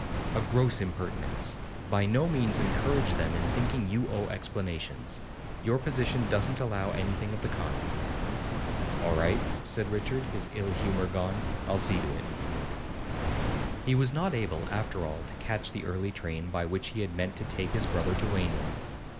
'A gross impertinence! By no means encourage them in thinking you owe explanations. Your position doesn't allow anything of the kind.' 'All right,' said Richard, his ill humour gone; 'I'll see to it.' He was not able, after all, to catch the early train by which he had meant to take his brother to Wanley.